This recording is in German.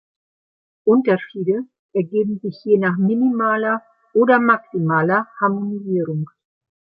Unterschiede ergeben sich je nach minimaler oder maximaler Harmonisierung.